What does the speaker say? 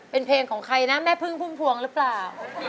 เป็นเพลงของใครนะแม่พึ่งพุ่มพวงหรือเปล่า